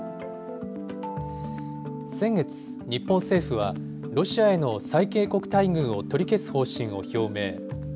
先月、日本政府はロシアへの最恵国待遇を取り消す方針を表明。